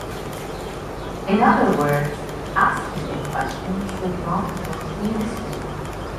In other words, "Asking a question should not change the answer".